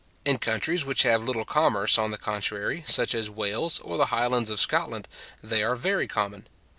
In countries which have little commerce, on the contrary, such as Wales, or the Highlands of Scotland, they are very common.